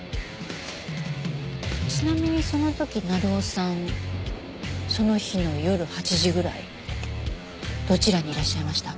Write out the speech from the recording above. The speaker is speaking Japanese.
ちなみにその時鳴尾さんその日の夜８時ぐらいどちらにいらっしゃいました？